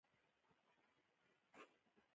شپه مو په واڼه کښې وه.